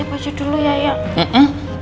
dok apa suami saya boleh pulang